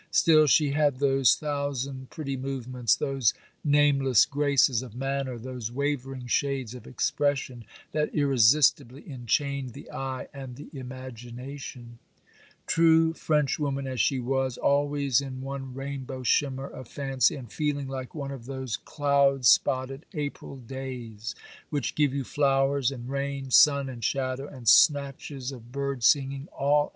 Still she had those thousand pretty movements, those nameless graces of manner, those wavering shades of expression, that irresistibly enchained the eye and the imagination; true Frenchwoman as she was, always in one rainbow shimmer of fancy, and feeling like one of those cloud spotted April days, which give you flowers and rain, sun and shadow, and snatches of bird singing all at once.